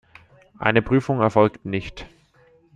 Eine Prüfung erfolgt nicht.